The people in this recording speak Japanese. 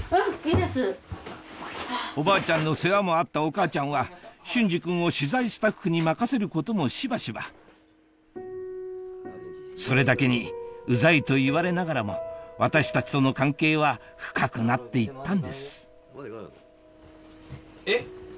おばあちゃんの世話もあったお母ちゃんは隼司君を取材スタッフに任せることもしばしばそれだけにウザいと言われながらも私たちとの関係は深くなって行ったんですえっ